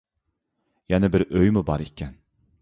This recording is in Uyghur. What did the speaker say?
يەنە بىر ئۆيمۇ بار ئىكەن.